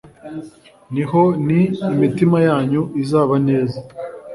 ni ho n imitima yanyu izaba neza